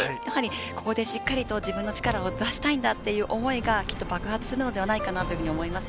ここでしっかりと自分の力を出したいんだという思いが爆発するのではないかなと思います。